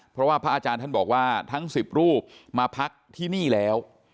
เพราะว่าพระอาจารย์ท่านบอกว่าทั้ง๑๐รูปมาพักที่นี่แล้ว